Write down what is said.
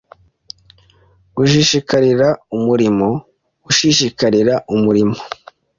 Gushishikarira umurimo ushishikarira umurimo